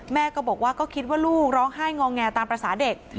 แม่ก็บอกว่าก็คิดว่าลูกร้องไห้งอแงตามภาษาเด็ก